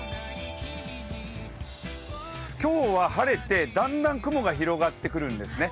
今日は晴れてだんだん雲が広がってくるんですね。